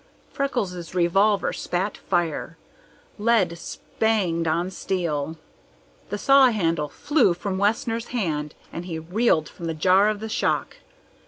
Freckles' revolver spat fire. Lead spanged on steel. The saw handle flew from Wessner's hand and he reeled from the jar of the shock.